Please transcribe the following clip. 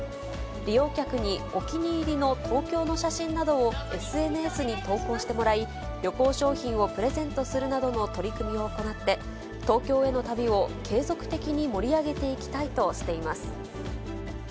利用客にお気に入りの東京の写真などをＳＮＳに投稿してもらい、旅行商品をプレゼントするなどの取り組みを行って、東京への旅を継続的に盛り上げていきたいとしています。